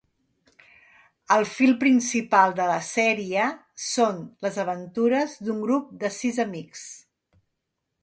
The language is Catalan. El fil principal de la sèrie són les aventures d'un grup de sis amics.